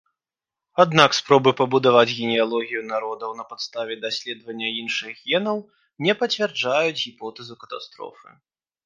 Аднак спробы пабудаваць генеалогію народаў на падставе даследавання іншых генаў не пацвярджаюць гіпотэзу катастрофы.